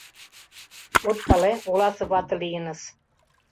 От пале, оласе вате лийыныс.